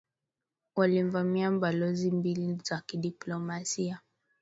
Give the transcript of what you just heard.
Walivamia balozi mbili za kidiplomasia